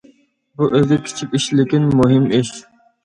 بۇ ئۆزى كىچىك ئىش لېكىن مۇھىم ئىش.